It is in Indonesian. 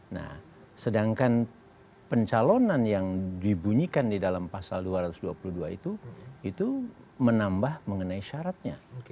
nah sedangkan pencalonan yang dibunyikan di dalam pasal dua ratus dua puluh dua itu itu menambah mengenai syaratnya